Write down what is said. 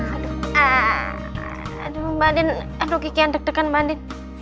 aduh aah aduh mandi aduh kiki antek antekan mandi